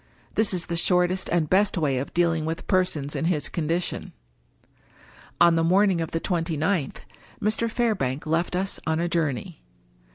This is the shortest and best way of deal ing with persons in his condition. On the morning of the twenty ninth, Mr. Fairbank left us on a journey.